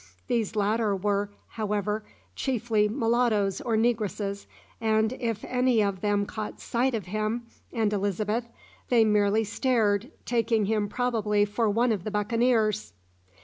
These latter were, however, chiefly mulattoes or negresses, and it any of them caught sight of him and Elizabeth, they merely staved, taking him probably for one of the buccaneers.